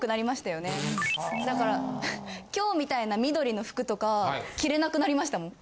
だから今日みたいな緑の服とか着れなくなりましたもん。